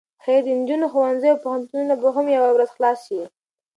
خير د نجونو ښوونځي او پوهنتونونه به هم يوه ورځ خلاص شي.